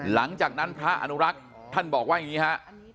หลังจากนั้นพระอนุรักษ์ท่านบอกว่าอย่างนี้ฮะ